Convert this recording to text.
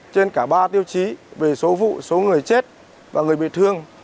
trên cả ba tiêu chí về số vụ số người chết và người bị thương